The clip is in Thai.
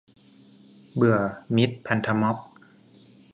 เบื่อมิตรพันธม็อบ